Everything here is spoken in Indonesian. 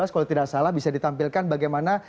kalau tidak salah bisa ditampilkan bagaimana